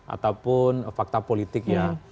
ataupun fakta politiknya